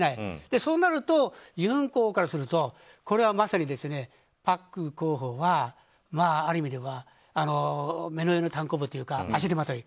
そうなるとユン候補からするとまさに朴候補はある意味では目の上のたんこぶというか足手まとい。